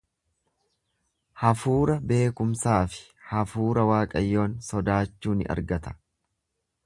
Hafuura beekumsaa fi hafuura Waaqayyoon sodaachuu in argata.